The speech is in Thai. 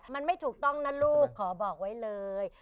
มันไม่ถูกต้องนะลูกขอบอกไว้เลย